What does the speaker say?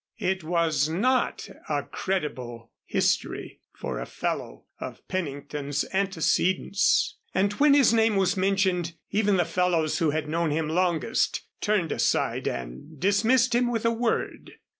It was not a creditable history for a fellow of Pennington's antecedents, and when his name was mentioned, even the fellows who had known him longest, turned aside and dismissed him with a word.